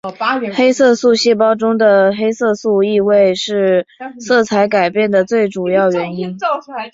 黑色素细胞中的黑色素易位是色彩改变的最主要原因。